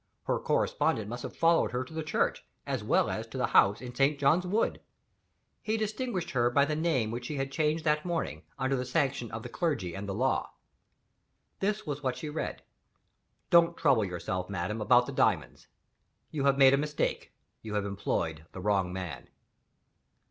Her correspondent must have followed her to the church, as well as to the house in St. John's Wood. He distinguished her by the name which she had changed that morning, under the sanction of the clergy and the law. This was what she read: "Don't trouble yourself, madam, about the diamonds. You have made a mistake you have employed the wrong man."